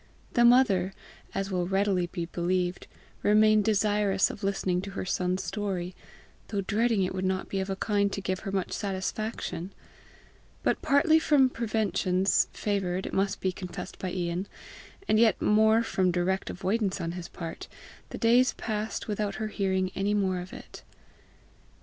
The mother, as will readily be believed, remained desirous of listening to her son's story, though dreading it would not be of a kind to give her much satisfaction; but partly from preventions favoured, it must be confessed by Ian, and yet more from direct avoidance on his part, the days passed without her hearing anything more of it.